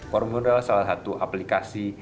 kormo adalah salah satu aplikasi